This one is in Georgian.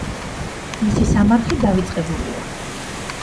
მისი სამარხი დავიწყებულია.